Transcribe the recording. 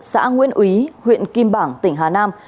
xã nguyễn úy huyện kim bảng tỉnh hà nam